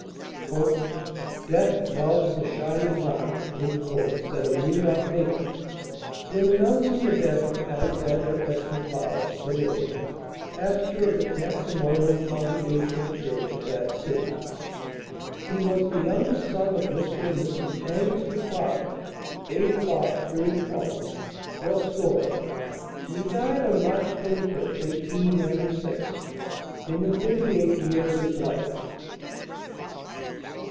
"Death loves a shining mark," said a New York paper, when announcing the death of Alexander S. Macleod, M.A., pastor of the Camp Memorial Congregational Church of that city. He was the youngest son of Mr. and Mrs. Angus Macleod, 8th lot, 3rd con., West Zorra, and he died on March 25th, 1896, in the thirty eighth year of his life.